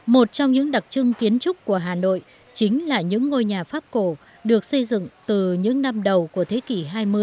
một trong những đặc trưng kiến trúc của hà nội chính là những ngôi nhà pháp cổ được xây dựng từ những năm đầu của thế kỷ hai mươi